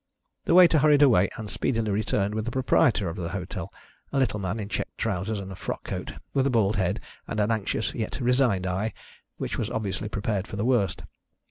The waiter hurried away and speedily returned with the proprietor of the hotel, a little man in check trousers and a frock coat, with a bald head and an anxious, yet resigned eye which was obviously prepared for the worst.